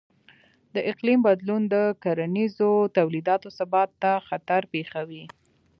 د اقلیم بدلون د کرنیزو تولیداتو ثبات ته خطر پېښوي.